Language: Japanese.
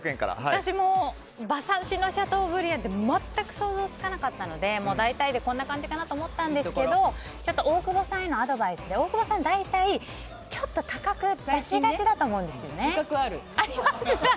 私も馬刺しのシャトーブリアンって全く想像がつかなかったので大体でこんな感じかなと思ったんですけどちょっと大久保さんへのアドバイスで大久保さん、大体ちょっと高く出しがちなんですよ。